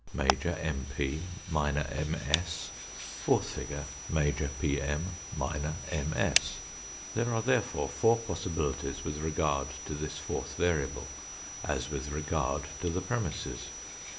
Major MP PM MP PM Minor SM SM MS MS There are therefore four possibilities with regard to this fourth variable as with regard to the premisses.